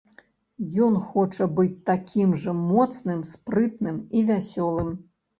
Ён хоча быць такім жа моцным, спрытным і вясёлым.